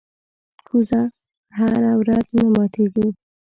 کوزه هره ورځ نه ماتېږي.